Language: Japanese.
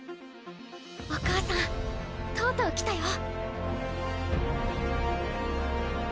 お母さんとうとう来たよ。